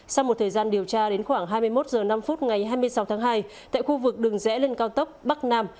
sau một thời gian điều tra đến khoảng hai mươi một h năm ngày hai mươi sáu tháng hai tại khu vực đường rẽ lên cao tốc bắc nam